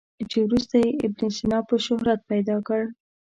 چې وروسته یې ابن سینا په شهرت پیدا کړ.